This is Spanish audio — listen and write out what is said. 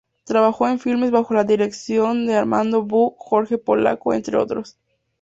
Trabajó en filmes bajo la dirección de Armando Bó, Jorge Polaco, entre otros.